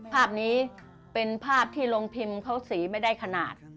ภาพนี้เป็นภาพที่โรงพิมพ์เขาสีไม่ได้ขนาด